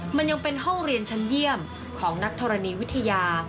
มันยังเป็นห้องเรียนชั้นเยี่ยมของนักธรณีวิทยา